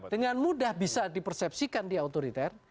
dengan mudah bisa di persepsikan dia otoriter